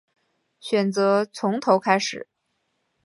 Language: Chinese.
选择从头开始